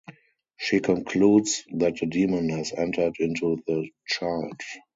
She concludes that a demon has entered into the child.